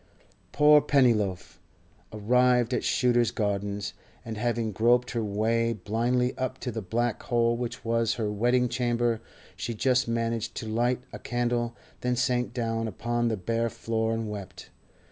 Poor Pennyloaf! Arrived at Shooter's Gardens, and having groped her way blindly up to the black hole which was her wedding chamber, she just managed to light a candle, then sank down upon the bare floor and wept.